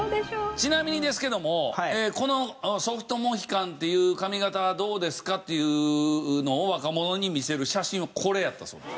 ちなみにですけどもこのソフトモヒカンっていう髪形どうですかっていうのを若者に見せる写真はこれやったそうです。